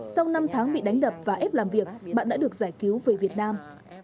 sau năm tháng bị đánh đập và ép làm việc bạn đã được giải cứu về việt nam